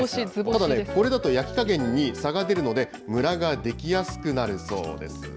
ただね、これだと焼き加減に差が出るのでムラができやすくなるそうです。